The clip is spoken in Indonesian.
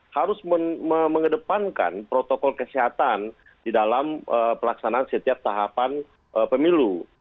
harus mengedepankan protokol kesehatan di dalam pelaksanaan setiap tahapan pemilu